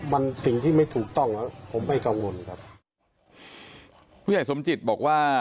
มันสิ่งที่ไม่ถูกต้องครับผมไม่กังวลครับผู้ใหญ่สมจิตบอกว่า